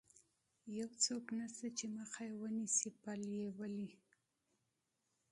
یو څوک نشته چې مخه یې ونیسي، پل یې ولې.